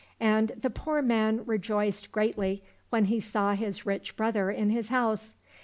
And the poor man rejoiced greatly when he saw his rich brother in his house.